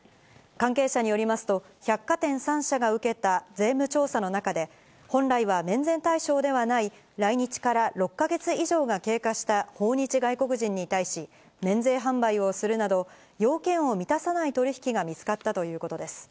関係者によりますと、百貨店３社が受けた税務調査の中で、本来は免税対象ではない来日から６か月以上が経過した訪日外国人に対し、免税販売をするなど、要件を満たさない取り引きが見つかったということです。